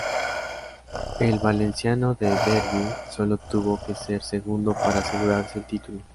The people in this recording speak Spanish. El valenciano de Derbi solo tuvo que ser segundo para asegurarse el título.